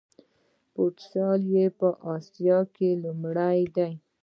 فوټسال یې په اسیا کې لومړی دی.